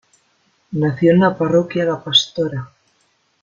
Nació en la parroquia La Pastora.